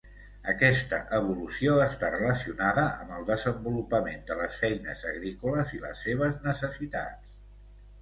Aquesta evolució està relacionada amb el desenvolupament de les feines agrícoles i les seves necessitats.